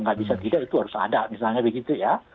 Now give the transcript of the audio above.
nggak bisa tidak itu harus ada misalnya begitu ya